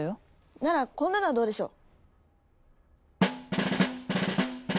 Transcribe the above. ならこんなのはどうでしょう？